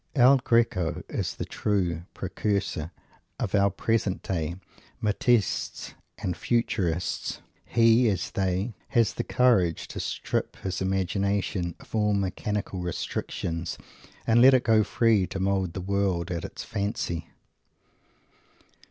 El Greco is the true precursor of our present day Matissists and Futurists. He, as they, has the courage to strip his imagination of all mechanical restrictions and let it go free to mould the world at its fancy.